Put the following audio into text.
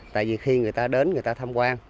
tại vì khi người ta đến người ta tham quan